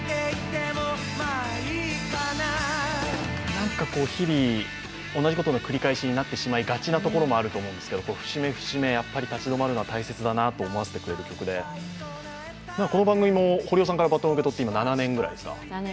なんか、日々同じことの繰り返しになってしまいがちになってますけど節目節目、やっぱり立ち止まるのは大切だなと思わせてくれる曲でこの番組も堀尾さんからバトンを受けて７年目くらいですか。